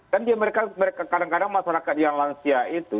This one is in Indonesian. kan dia mereka mereka kadang kadang masyarakat yang langsia itu